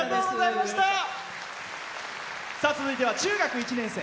続いては中学１年生。